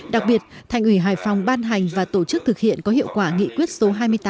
đặc biệt thành ủy hải phòng ban hành và tổ chức thực hiện có hiệu quả nghị quyết số hai mươi tám